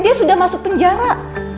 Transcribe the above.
dia sudah masuk penjara